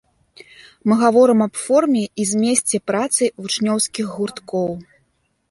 Мы гаворым аб форме і змесце працы вучнёўскіх гурткоў.